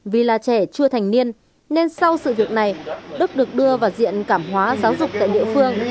vì là trẻ chưa thành niên nên sau sự việc này đức được đưa vào diện cảm hóa giáo dục tại địa phương